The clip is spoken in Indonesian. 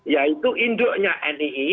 yaitu induknya nii